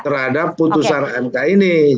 terhadap putusan mk ini